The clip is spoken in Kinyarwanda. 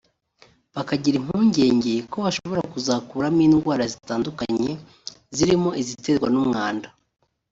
bakagira impungenge ko bashobora kuzakuramo indwara zitandukanye zirimo iziterwa n’umwanda